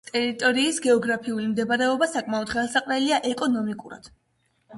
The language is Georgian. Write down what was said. ტერიტორიის გეოგრაფიული მდებარეობა საკმაოდ ხელსაყრელია ეკონომიკურად.